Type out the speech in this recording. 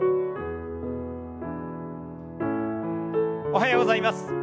おはようございます。